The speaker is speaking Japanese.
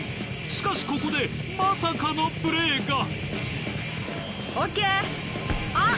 しかしここでまさかのプレーが！